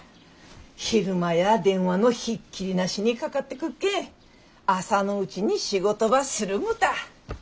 昼間や電話のひっきりなしにかかってくっけん朝のうちに仕事ばするごた。